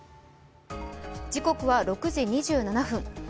時刻は６時２７分。